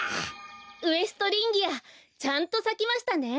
ウエストリンギアちゃんとさきましたね。